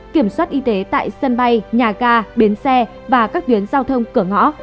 kiểm soát y tế tại sân bay nhà ga biến xe và các tuyến giao thông cửa ngõ